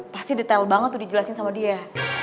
pasti detail banget tuh dijelasin sama dia